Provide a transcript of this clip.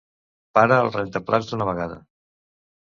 Para el rentaplats d'una vegada!